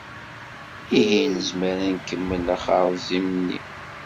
Ihi nezmer ad nkemmel axerzim-nni.